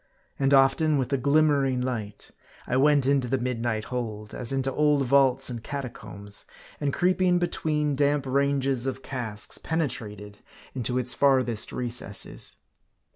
And often, with a glimmering light, I went into the midnight hold, as into old vaults and catacombs ; and creeping between damp ranges of casks, penetrated into its farthest recesses.